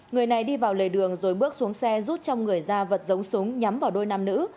người này đi vào lề đường rồi bước xuống xe rút trong người ra vật giống súng nhắm vào đôi nam nữ